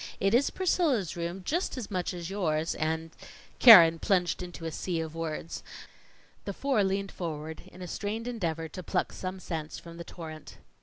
"It is Priscilla's room as much as yours and " Keren plunged into a sea of words. The four leaned forward in a strained endeavor to pluck some sense from the torrent.